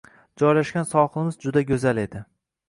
Joylashgan sohilimiz juda go‘zal edi.